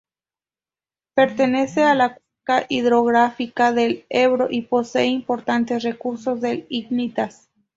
Pertenece a la cuenca hidrográfica del Ebro y posee importantes recursos de icnitas.